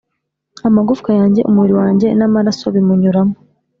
amagufwa yanjye, umubiri wanjye n'amaraso bimunyuramo.